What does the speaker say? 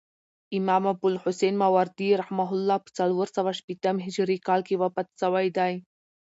امام ابوالحسن ماوردي رحمة الله په څلورسوه شپېتم هجري کال کښي وفات سوی دي.